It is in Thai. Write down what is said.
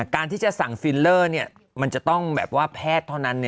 การที่จะสั่งฟิลเลอร์มันจะต้องแบบว่าแพทย์เท่านั้น